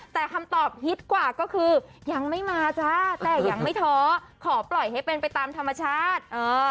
แต่คำตอบฮิตกว่าก็คือยังไม่มาจ้าแต่ยังไม่ท้อขอปล่อยให้เป็นไปตามธรรมชาติ